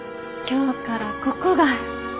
今日からここが。